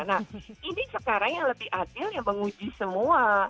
nah ini sekarang yang lebih adil yang menguji semua